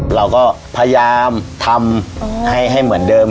เราก็พยายามทำให้เหมือนเดิม